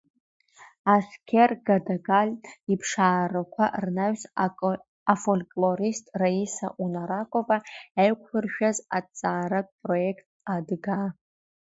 Асқер Гадагатль иԥшааарақәа рнаҩс афольклорист раиса Унарокова еиқәлыршәаз аҭҵааратә проект адыгаа…